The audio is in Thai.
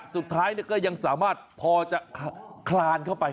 สุดท้ายก็ยังสามารถพอจะคลานเข้าไป